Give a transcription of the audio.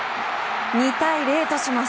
２対０とします。